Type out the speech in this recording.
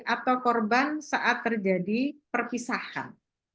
atau korban saat terjadi perpisahan